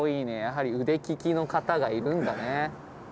やはり腕利きの方がいるんだね。